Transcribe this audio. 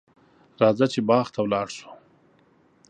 راځه چې باغ ته ولاړ شو.